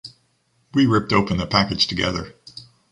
We ripped open the package together.